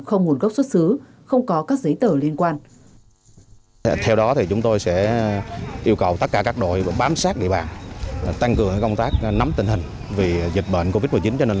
không nguồn gốc xuất xứ không có các giấy tờ liên quan